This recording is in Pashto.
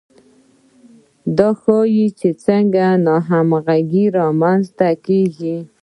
دا ښيي چې څنګه ناهمغږي رامنځته کیږي.